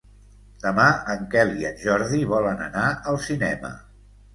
Demà en Quel i en Jordi volen anar al cinema.